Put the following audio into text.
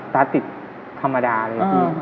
ตัดติดธรรมดาเลย